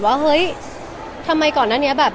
ว่าเฮ้ยทำไมก่อนนั้นเนี่ยแบบ